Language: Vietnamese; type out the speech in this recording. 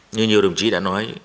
như nhiều đồng chí đã nói